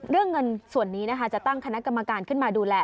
เรื่องเงินส่วนนี้นะคะจะตั้งคณะกรรมการขึ้นมาดูแล